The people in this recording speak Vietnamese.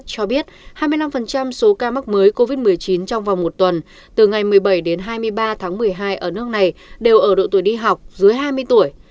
cho biết hai mươi năm số ca mắc mới covid một mươi chín trong vòng một tuần từ ngày một mươi bảy đến hai mươi ba tháng một mươi hai ở nước này đều ở độ tuổi đi học dưới hai mươi tuổi